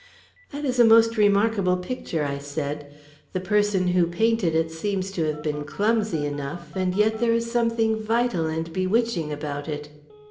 "That is a most remarkable picture," I said. "The person who painted it seems to have been clumsy enough, and yet there is something vital and bewitching about it."